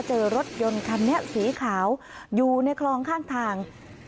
เจอรถยนต์คันนี้สีขาวอยู่ในคลองข้างทาง